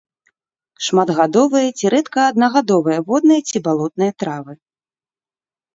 Шматгадовыя ці рэдка аднагадовыя водныя ці балотныя травы.